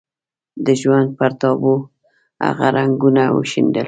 د ژوند پر تابلو هغه رنګونه وشيندل.